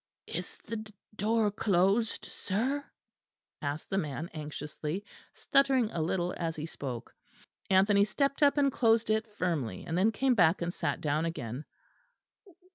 "Is the d door closed, sir?" asked the man anxiously; stuttering a little as he spoke. Anthony stepped up and closed it firmly; and then came back and sat down again.